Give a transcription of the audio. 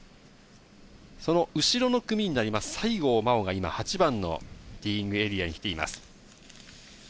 その後ろの組になります西郷真央が今、８番のティーイングエリアに来ています。